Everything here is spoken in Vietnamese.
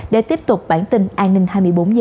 để tiếp tục bản tin an ninh hai mươi bốn h